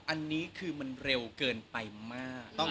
อันนี้คือมันเร็วเกินไปมาก